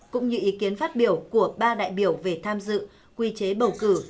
cũng như ý kiến phát biểu của ba đại biểu về tham dự quy chế bầu cử